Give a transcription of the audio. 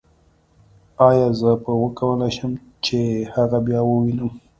ایا زه به وکولای شم چې هغه بیا ووینم